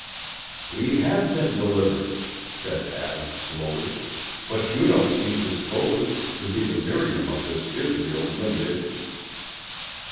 "We have been delivered," said Adam, slowly, "but you don't seem disposed to be the Miriam of this Israel limited."